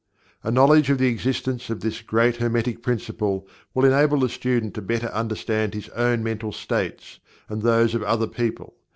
A knowledge of the existence of this great Hermetic Principle will enable the student to better understand his own mental states, and those of other people.